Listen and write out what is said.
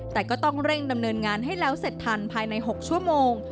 แต่ก็ต้องเร่งดำเนินงานให้แล้วเสร็จทันภายใน๖ชั่วโมง